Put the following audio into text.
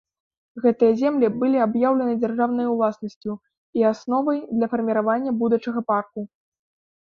Гэтыя землі былі аб'яўлены дзяржаўнай уласнасцю і асновай для фарміравання будучага парку.